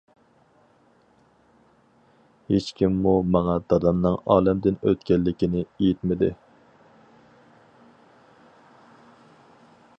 ھېچكىممۇ ماڭا دادامنىڭ ئالەمدىن ئۆتكەنلىكىنى ئېيتمىدى.